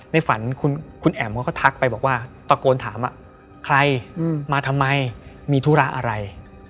ในฝันคุณแอ๋มเขาก็ทักไปบอกว่าตะโกนถามใครมาทำไมมีธุระอะไร